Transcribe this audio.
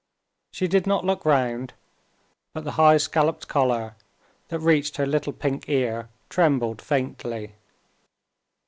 She did not look round, but the high scalloped collar, that reached her little pink ear, trembled faintly.